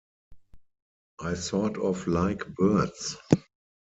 I sort of like birds.